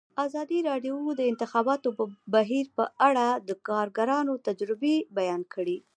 ازادي راډیو د د انتخاباتو بهیر په اړه د کارګرانو تجربې بیان کړي.